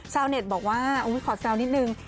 ชาวเน็ตบอกว่าขอแซวนิดนึง